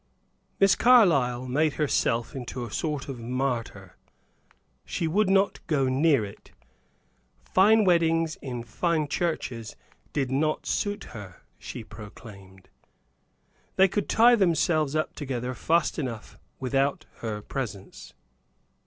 Miss Carlyle made herself into a sort of martyr. She would not go near it; fine weddings in fine churches did not suit her, she proclaimed; they could tie themselves up together fast enough without her presence.